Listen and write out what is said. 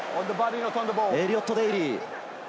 エリオット・デイリー。